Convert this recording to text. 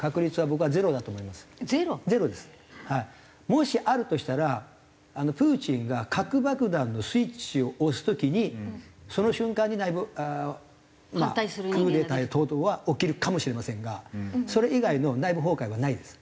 もしあるとしたらプーチンが核爆弾のスイッチを押す時にその瞬間に内部まあクーデターや等々は起きるかもしれませんがそれ以外の内部崩壊はないです。